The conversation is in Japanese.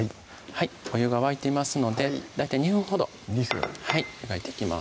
お湯が沸いていますので大体２分ほど２分はい湯がいていきます